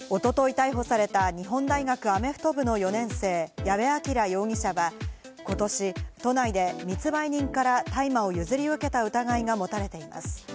逮捕された日本大学アメフト部の４年生、矢部鑑羅容疑者は、ことし都内で密売人から大麻を譲り受けた疑いが持たれています。